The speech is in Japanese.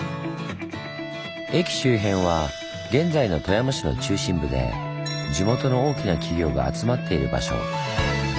駅周辺は現在の富山市の中心部で地元の大きな企業が集まっている場所。